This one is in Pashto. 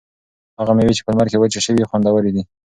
هغه مېوې چې په لمر کې وچې شوي وي خوندورې دي.